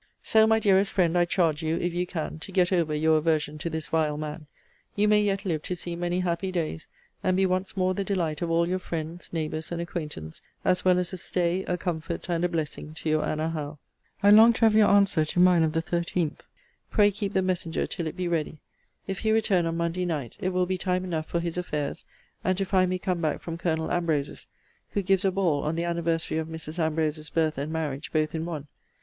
So, my dearest friend, I charge you, if you can, to get over your aversion to this vile man. You may yet live to see many happy days, and be once more the delight of all your friends, neighbours, and acquaintance, as well as a stay, a comfort, and a blessing to your Anna Howe. I long to have your answer to mine of the 13th. Pray keep the messenger till it be ready. If he return on Monday night, it will be time enough for his affairs, and to find me come back from Colonel Ambrose's; who gives a ball on the anniversary of Mrs. Ambrose's birth and marriage both in one.